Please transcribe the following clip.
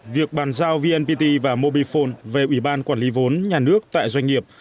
việc bàn giao vnpt và mobifone về ủy ban quản lý vốn nhà nước tại doanh nghiệp